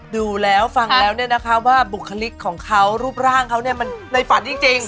ดูแล้วฟังแล้วเนี่ยนะคะว่าบุคลิกของเขารูปร่างเขาเนี่ยมันในฝันจริง